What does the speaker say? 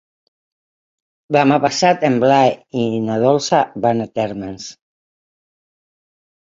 Demà passat en Blai i na Dolça van a Térmens.